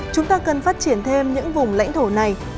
chúng ta cần phát triển thêm những vùng lãnh thổ này